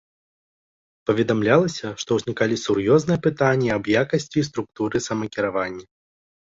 Паведамлялася, што ўзнікалі сур'ёзныя пытанні аб якасці і структуры самакіравання.